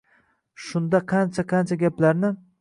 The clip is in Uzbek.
Shunda qancha-qancha gaplarni